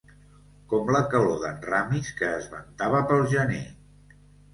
Com la calor d'en Ramis, que es ventava pel gener.